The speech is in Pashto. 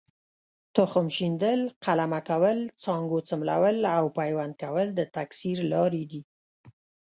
تخم شیندل، قلمه کول، څانګو څملول او پیوند کول د تکثیر لارې دي.